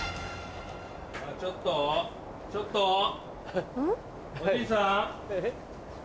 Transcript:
ちょっとちょっとおじいさん。